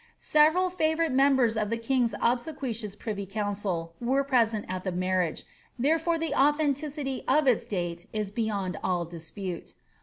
Several &vourite members of the king^s obsequious privy council were present at the marriage, tlierefore the authenticity of its date is beyond all dispute.